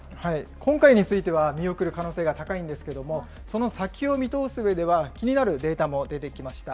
今回については見送る可能性が高いんですけども、その先を見通すうえでは、気になるデータも出てきました。